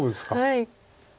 はい。